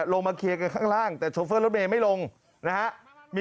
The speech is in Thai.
ลงมาเคลียร์กันข้างล่างแต่โชเฟอร์รถเมย์ไม่ลงนะฮะ